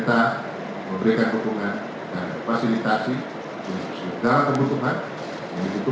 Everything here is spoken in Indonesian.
terima kasih pak tunggu